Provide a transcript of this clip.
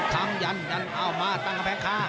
ตั้งกระแพงคา